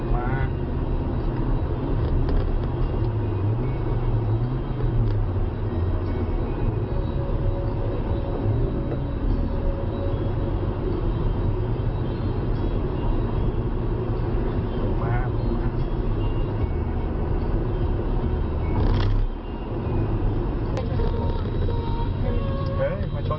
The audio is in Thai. ไม่ต้อง